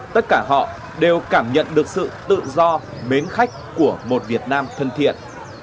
tất cả họ đều cảm nhận được sự tự do mến khách của một việt nam thân thiện